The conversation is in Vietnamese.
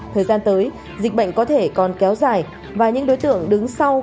thời gian tới dịch bệnh có thể còn kéo dài và những đối tượng đứng sau